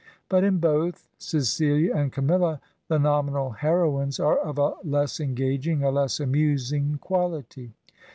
But in both " Ce cilia " and " Camilla," the nominal heroines are of a less engaging, a less amusing quahty.